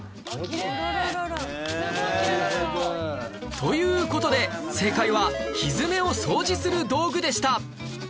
という事で正解はひづめを掃除する道具でした